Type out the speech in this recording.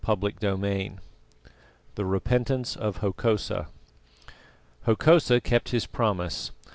CHAPTER XVI THE REPENTANCE OF HOKOSA Hokosa kept his promise.